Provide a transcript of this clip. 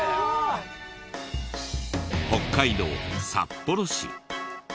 北海道札幌市。